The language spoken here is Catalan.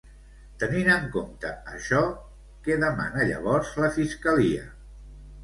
Tenint en compte això, què demana llavors la fiscalia?